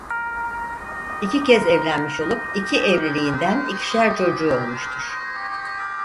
İki kez evlenmiş olup iki evliliğinden ikişer çocuğu olmuştur.